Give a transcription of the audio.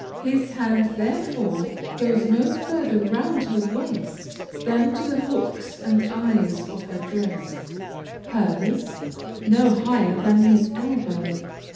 His hand, therefore, goes no further round her waist than to the hooks and eyes of her dress, hers, no higher than to his elbow.